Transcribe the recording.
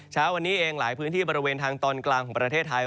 เช้าวันนี้เองหลายพื้นที่บริเวณทางตอนกลางของประเทศไทย